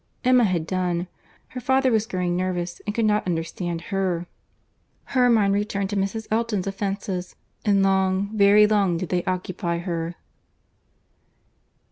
Emma had done. Her father was growing nervous, and could not understand her. Her mind returned to Mrs. Elton's offences, and long, very long, did they occupy her.